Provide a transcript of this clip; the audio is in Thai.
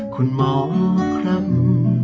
คุณหมอครับ